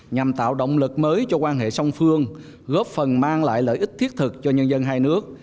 nhằm tạo động lực mới cho quan hệ song phương góp phần mang lại lợi ích thiết thực cho nhân dân hai nước